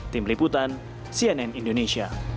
tim liputan cnn indonesia